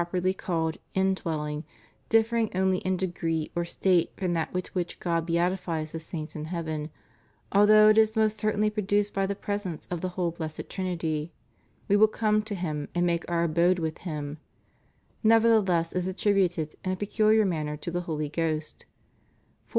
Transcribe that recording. Now this wonderful union, which is properly called "indwelling," differing only in degree or state from that with which God beatifies the saints in heaven, al though it is most certainly produced by the presence of the whole Blessed Trinity — We will come to Him and make our abode vnih Him^ — nevertheless is attributed in a peculiar manner to the Holy Ghost.